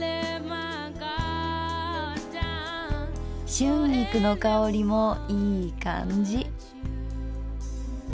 春菊の香りもいい感じ。